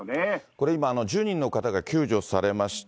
これ今、１０人の方が救助されまして、